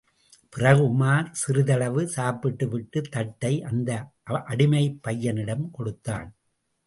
பிறகு, உமார் சிறிதளவு சாப்பிட்டு விட்டு தட்டை அந்த அடிமைப்பையனிடம் கொடுத்தான்.